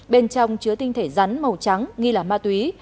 bên trong chứa tinh thể rắn màu trắng nghi là ma túy